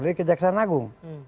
mulai dari kejaksaan agung